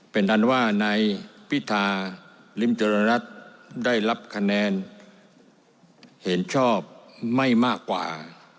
เป็นอันว่านายพิธาริมเจริญรัฐได้รับคะแนนเห็นชอบไม่มากกว่า